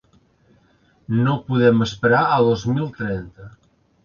No podem esperar a dos mil trenta.